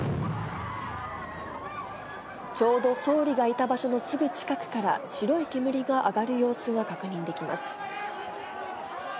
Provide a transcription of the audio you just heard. ちょうど総理がいた場所のすぐ近くから、白い煙が上がる様子が確認できます。